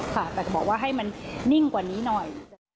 อยากจะบอกว่าให้มันนิ่งกว่านี้หน่อย